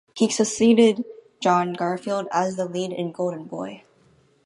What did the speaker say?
He succeeded John Garfield as the lead in "Golden Boy".